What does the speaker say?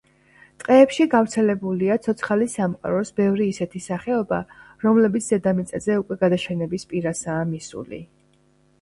ტყეებში გავრცელებულია ცოცხალი სამყაროს ბევრი ისეთი სახეობა, რომლებიც დედამიწაზე უკვე გადაშენების პირასაა მისული.